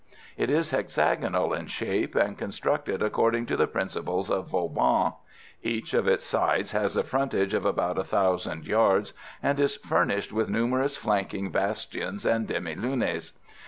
It is hexagonal in shape, and constructed according to the principles of Vauban. Each of its sides has a frontage of about 1000 yards, and is furnished with numerous flanking bastions and demi lunes.